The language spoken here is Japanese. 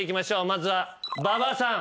まずは馬場さん。